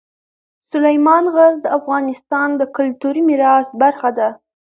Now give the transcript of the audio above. سلیمان غر د افغانستان د کلتوري میراث برخه ده.